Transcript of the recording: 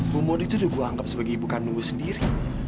bu murni itu udah gue anggap sebagai ibu kanu sendiri